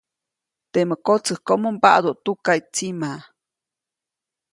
Temä kotsäjkomo mbaʼduʼt tukaʼy tsima.